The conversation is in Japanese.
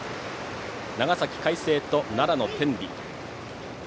長崎・海星と奈良の天理。